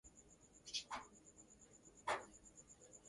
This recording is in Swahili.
Ripoti ya shirika hilo lenye makao yake mjini Paris